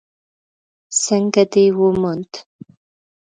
_څنګه دې وموند؟